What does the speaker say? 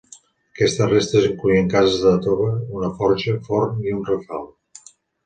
Aquestes restes incloïen cases de tova, una forja, forn i un rafal.